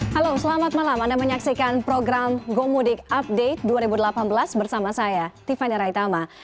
halo selamat malam anda menyaksikan program gomudik update dua ribu delapan belas bersama saya tiffany raitama